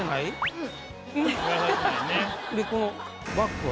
うん。